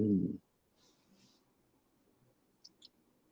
อืม